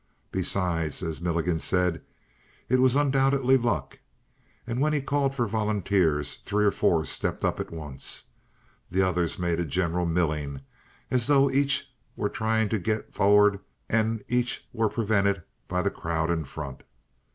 Besides, as Milligan said, it was undoubtedly luck. And when he called for volunteers, three or four stepped up at once. The others made a general milling, as though each were trying to get forward and each were prevented by the crowd in front.